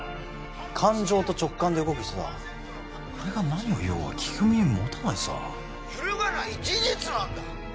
感情と直感で動く人だ俺が何を言おうが聞く耳持たないさ揺るがない事実なんだ！